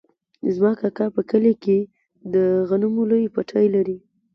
زما کاکا په کلي کې د غنمو لوی پټی لري.